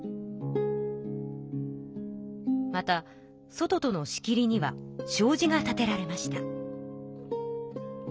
また外との仕切りにはしょうじが立てられました。